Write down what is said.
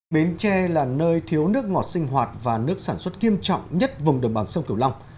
bến tre là nơi thiếu nước ngọt sinh hoạt và nước sản xuất nghiêm trọng nhất vùng đồng bằng sông cửu long